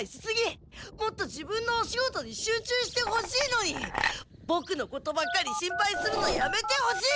もっと自分のお仕事に集中してほしいのにボクのことばっかり心配するのやめてほしい！